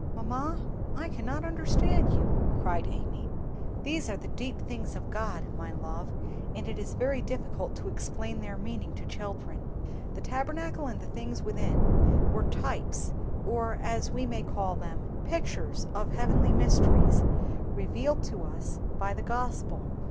"Mamma, I cannot understand you!" cried Amy. "These are the deep things of God, my love, and it is very difficult to explain their meaning to children. The Tabernacle and the things within it were types, or as we may call them, pictures of heavenly mysteries, revealed to us by the Gospel.